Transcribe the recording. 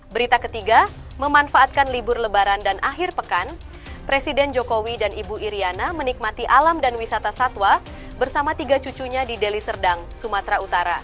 berita ketiga memanfaatkan libur lebaran dan akhir pekan presiden jokowi dan ibu iryana menikmati alam dan wisata satwa bersama tiga cucunya di deli serdang sumatera utara